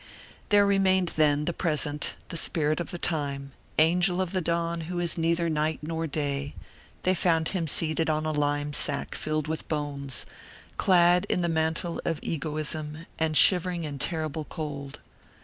There remained then, the present, the spirit of the time, angel of the dawn who is neither night nor day; they found him seated on a lime sack filled with bones, clad in the mantle of egoism, and shivering in terrible cold.